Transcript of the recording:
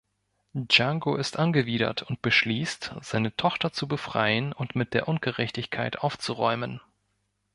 Django ist angewidert und beschließt, seine Tochter zu befreien und mit der Ungerechtigkeit aufzuräumen.